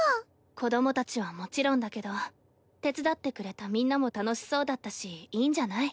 子供たちはもちろんだけど手伝ってくれたみんなも楽しそうだったしいいんじゃない？